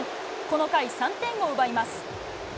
この回、３点を奪います。